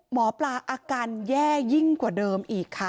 อาการแย่ยิ่งกว่าเดิมอีกค่ะ